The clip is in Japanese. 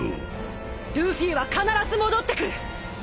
ルフィは必ず戻ってくる！